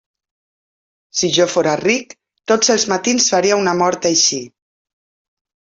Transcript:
Si jo fóra ric, tots els matins faria una mort així.